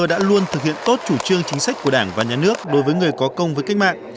đã luôn thực hiện tốt chủ trương chính sách của đảng và nhà nước đối với người có công với cách mạng